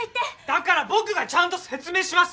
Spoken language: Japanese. だから僕がちゃんと説明します！